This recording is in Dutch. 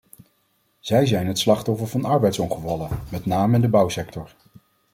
Zij zijn het slachtoffer van arbeidsongevallen, met name in de bouwsector.